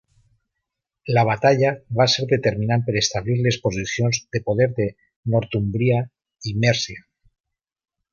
La batalla va ser determinant per establir les posicions de poder de Northúmbria i Mèrcia.